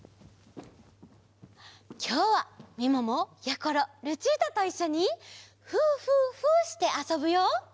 きょうはみももやころルチータといっしょに「ふーふーふー」してあそぶよ。